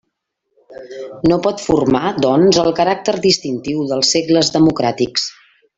No pot formar, doncs, el caràcter distintiu dels segles democràtics.